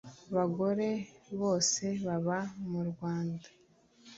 bagore bose baba murwanda